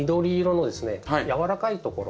軟らかいところ。